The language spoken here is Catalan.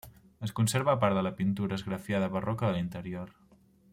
Es conserva part de la pintura esgrafiada barroca de l'interior.